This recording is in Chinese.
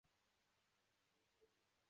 倪氏碘泡虫为碘泡科碘泡虫属的动物。